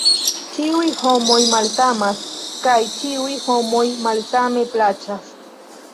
Ĉiuj homoj malsamas, kaj ĉiuj homoj malsame plaĉas.